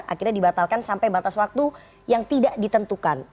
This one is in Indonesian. akhirnya dibatalkan sampai batas waktu yang tidak ditentukan